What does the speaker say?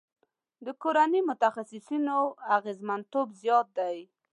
د کورني متخصصینو اغیزمنتوب زیات دی.